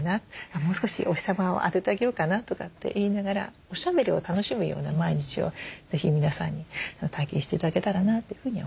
「もう少しお日様を当ててあげようかな」とかって言いながらおしゃべりを楽しむような毎日を是非皆さんに体験して頂けたらなというふうに思いますね。